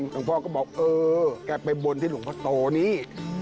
หลวงพ่อก็บอกเออแกไปบนที่หลวงพ่อโตนี่